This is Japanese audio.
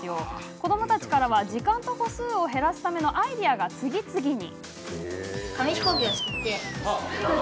子どもたちからは、時間と歩数を減らすためのアイデアが次々に。